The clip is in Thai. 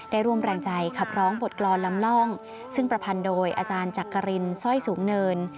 ร่วมแรงใจขับร้องบทกรรมลำล่องซึ่งประพันธ์โดยอาจารย์จักรินสร้อยสูงเนิน